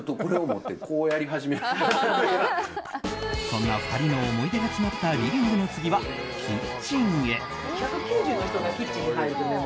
そんな２人の思い出が詰まったリビングの次はキッチンへ。